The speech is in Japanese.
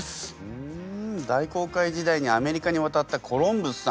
うん大航海時代にアメリカに渡ったコロンブスさん。